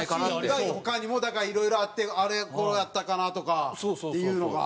シーンが他にもだからいろいろあってあれこうやったかな？とかっていうのが。